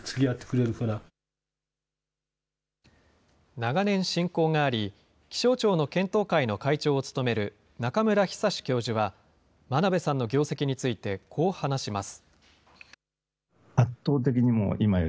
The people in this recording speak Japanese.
長年親交があり、気象庁の検討会の会長を務める中村尚教授は、真鍋さんの業績について、こう話します。